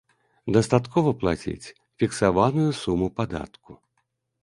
Дастаткова плаціць фіксаваную суму падатку.